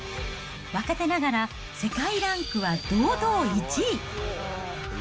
若手ながら世界ランクは堂々１位。